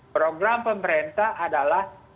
program pemerintah adalah